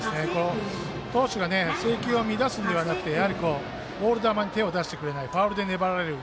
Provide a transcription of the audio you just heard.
投手が制球を乱すのではなくてボール球に手を出してくれないファウルで粘られる。